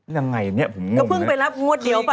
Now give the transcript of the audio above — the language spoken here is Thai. ยังไงนี่ผมไม่รู้นะคืออีกเขาเพิ่งไปรับมวดเดียวป่ะ